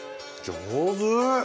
上手！